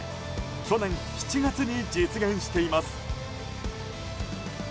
去年７月に実現しています。